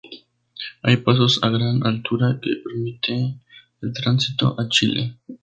Hay pasos a gran altura que permiten el tránsito a Chile.